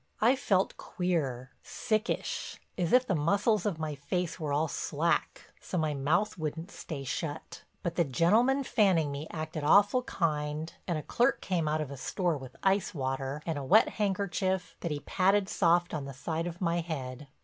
I felt queer, sickish, and as if the muscles of my face were all slack so my mouth wouldn't stay shut. But the gentleman fanning me acted awful kind and a clerk came out of a store with ice water and a wet handkerchief that he patted soft on the side of my head.